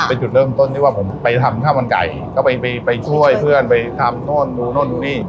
เป็นจุดเริ่มต้นที่ว่าผมไปทำข้าวมันไก่ก็ไปไปช่วยเพื่อนไปทำโน่นดูโน่นดูนี่